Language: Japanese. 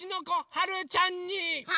はるちゃんに？